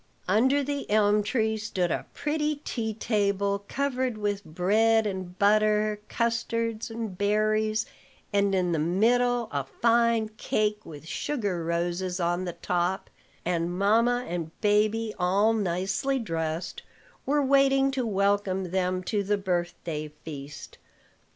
Under the elm tree stood a pretty tea table, covered with bread and butter, custards, and berries, and in the middle a fine cake with sugar roses on the top; and mamma and baby, all nicely dressed, were waiting to welcome them to the birthday feast.